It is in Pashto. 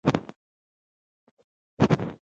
دوی د مېړۀ او مېرمنې په منځ کې هم مداخله کوي.